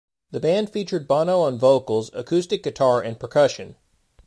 The band featured Bono on vocals, acoustic guitar, and percussion.